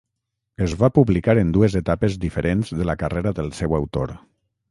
Es va publicar en dues etapes diferents de la carrera del seu autor.